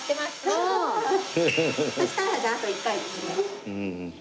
そしたらじゃああと１回ですね。